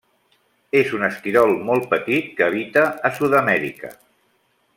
És un esquirol molt petit que habita a Sud-amèrica.